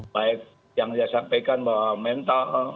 baik yang dia sampaikan bahwa mental